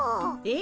え？